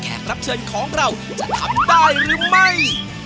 รับเชิญของเราจะทำได้หรือไม่